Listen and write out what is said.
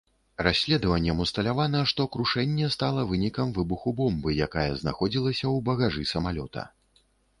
Расследаваннем усталявана, што крушэнне стала вынікам выбуху бомбы, якая знаходзілася ў багажы самалёта.